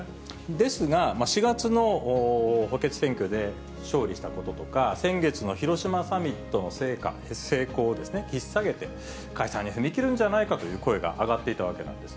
ですが、４月の補欠選挙で勝利したこととか、先月の広島サミットの成功をひっ提げて解散に踏み切るんじゃないかという声が上がっていたわけなんです。